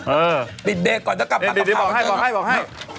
เออปิดเดรกก่อนจะกลับมากกับขาวปิดเดรกบอกให้